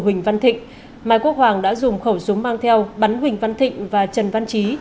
huỳnh văn thịnh mai quốc hoàng đã dùng khẩu súng mang theo bắn huỳnh văn thịnh và trần văn trí